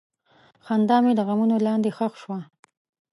خندا مې د غمونو لاندې ښخ شوه.